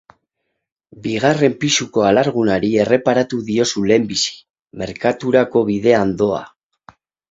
Bigarren pisuko alargunari erreparatu diozu lehenbizi, merkaturako bidean doa.